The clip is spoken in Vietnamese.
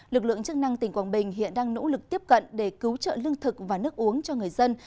lực lượng chức năng tỉnh quảng bình hiện đang nỗ lực tiếp cận để cứu trợ lương thực và nước uống cho người dân